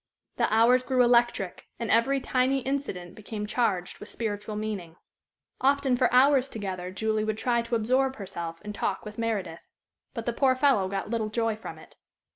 The hours grew electric, and every tiny incident became charged with spiritual meaning. Often for hours together Julie would try to absorb herself in talk with Meredith. But the poor fellow got little joy from it.